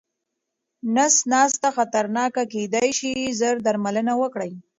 نس ناسته خطرناکه کيداې شي، ژر درملنه وکړئ.